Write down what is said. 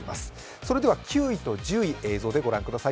それでは９位と１０位、映像でご覧ください。